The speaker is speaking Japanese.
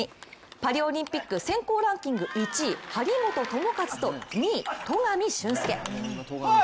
パリオリンピック選考ランキング１位、張本智和と２位・戸上隼輔。